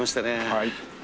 はい。